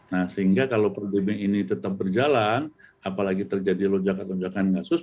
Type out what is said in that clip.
nah sehingga kalau pandemi ini tetap berjalan apalagi terjadi lonjakan lonjakan kasus